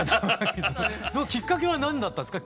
きっかけは何だったんですか？